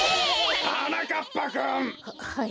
はなかっぱくん！